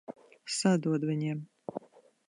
Sadod viņiem!